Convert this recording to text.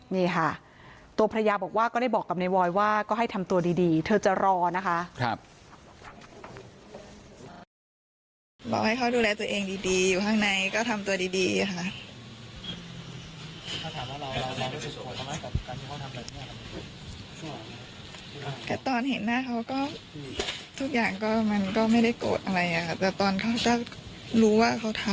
นี่ค่ะตัวภรรยาบอกว่าก็ได้บอกกับในบอยว่าก็ให้ทำตัวดีเธอจะรอนะคะ